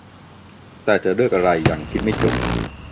แต่จะเลือกอะไรยังคิดไม่จบ